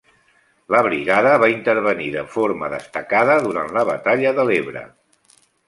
La brigada va intervenir de forma destacada durant la batalla de l'Ebre.